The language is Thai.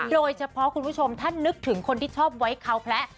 โดยเฉพาะคุณผู้ชมถ้านึกถึงคนที่ชอบไวคาวแพะ